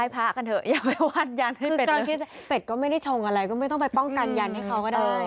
แปดก็ไม่ได้ชงอะไรไม่ต้องไปป้องกันยันให้เขาก็ได้